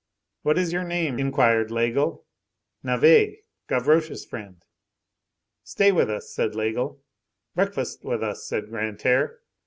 "What is your name?" inquired Laigle. "Navet, Gavroche's friend." "Stay with us," said Laigle. "Breakfast with us," said Grantaire.